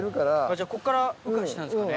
じゃあこっから羽化したんですかね。